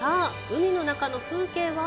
海の中の風景は？